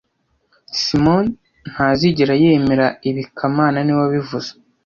Simoni ntazigera yemera ibi kamana niwe wabivuze